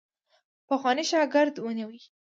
پخوانی شاګرد ونیوی.